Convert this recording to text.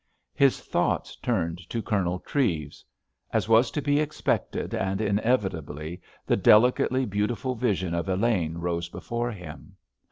His thoughts turned to Colonel Treves.... As was to be expected, and inevitably the delicately beautiful vision of Elaine rose before him....